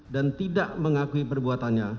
dan tidak mengakui perbuatannya